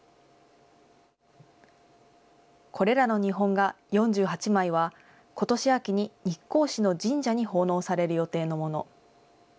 これらの日本画４８枚は、ことし秋に日光市の神社に奉納される予定のもの。